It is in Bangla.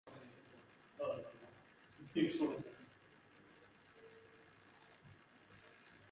তিনি একটি ঘনিষ্ঠ, সম্মানজনক পরিবারে বেড়ে ওঠেন।